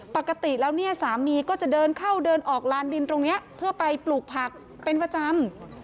ปกติแล้วเนี่ยสามีก็จะเดินเข้าเดินออกลานดินตรงนี้เพื่อไปปลูกผักเป็นประจำ